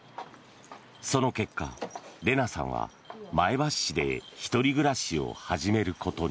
その結果、レナさんは前橋市で１人暮らしを始めることに。